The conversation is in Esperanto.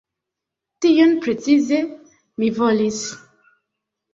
tion precize mi volis.